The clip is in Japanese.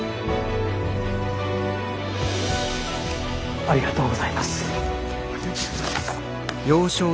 ありがとうございます。